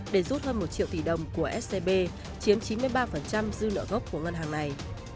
để rút hơn một triệu tỷ đồng của scb chiếm chín mươi ba dư nợ gốc của ngân hàng này